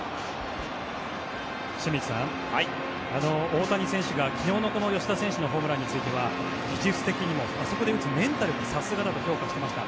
清水さん、大谷選手が昨日のこの吉田選手のホームランについては技術的にもあそこで打つメンタルがさすがだと評価していました。